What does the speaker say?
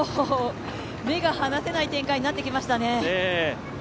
目が離せない展開になってきましたね。